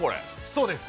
そうです。